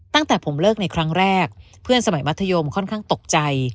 ตั้งแต่ผมเลิกในครั้งแรกเพื่อนสมัยมัธยมค่อนข้างตกใจ